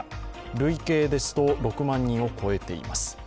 累計ですと６万人を超えています。